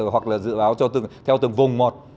hoặc là dự báo theo từng vùng một